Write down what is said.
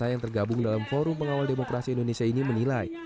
yang tergabung dalam forum pengawal demokrasi indonesia ini menilai